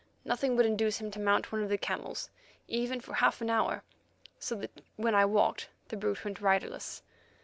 Nothing would induce him to mount one of the camels, even for half an hour, so that when I walked, the brute went riderless.